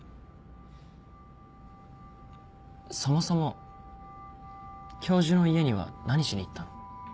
そもそも教授の家には何しに行ったの？